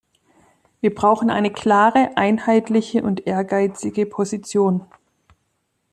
Wir brauchen eine klare, einheitliche und ehrgeizige Position.